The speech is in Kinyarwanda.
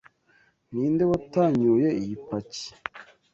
Ninde watanyuye iyi paki?